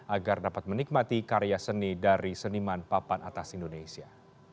agar dapat menikmati karya seni dari seniman papan atas indonesia